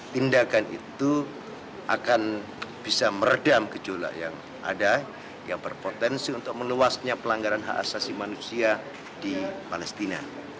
tindakan itu akan bisa meredam gejolak yang ada yang berpotensi untuk meluasnya pelanggaran hak asasi manusia di palestina